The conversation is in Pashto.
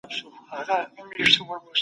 پوزه په دستمال پاکه کړئ.